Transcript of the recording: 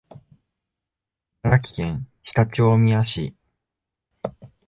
茨城県常陸大宮市